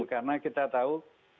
karena kita tahu